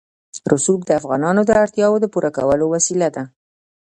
رسوب د افغانانو د اړتیاوو د پوره کولو وسیله ده.